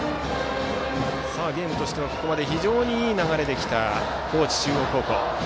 ゲームとしては非常にいい流れで来た高知中央高校。